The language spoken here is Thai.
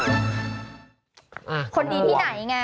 คนดีที่ไหนไง